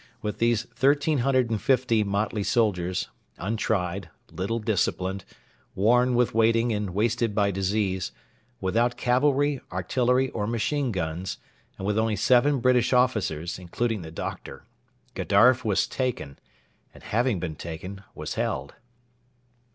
With these 1,350 motley soldiers, untried, little disciplined, worn with waiting and wasted by disease, without cavalry, artillery, or machine guns, and with only seven British officers, including the doctor, Gedaref was taken, and, having been taken, was held.